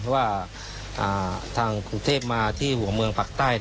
ว่าทางกรุงเทพมาที่หัวเมืองภาคใต้